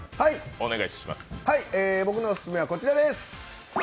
僕のオススメはこちらです。